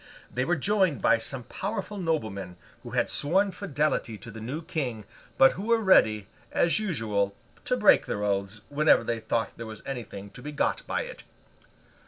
They were joined by some powerful noblemen who had sworn fidelity to the new King, but who were ready, as usual, to break their oaths, whenever they thought there was anything to be got by it.